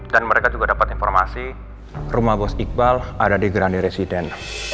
dan mereka juga dapat informasi rumah bos iqbal ada di grandi residen